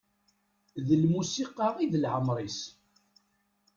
D lmusiqa i d leɛmer-is.